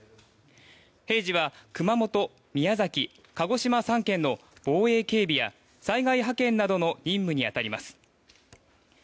平時は熊本、宮崎、鹿児島３県の防衛警備や災害派遣などの任務に当たります。